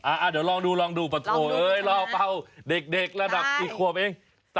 เดี๋ยวลองดูลองดูปะโถเอ้ยล่อเป้าเด็กระดับกี่ขวบเอง